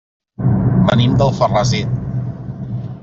Venim d'Alfarrasí.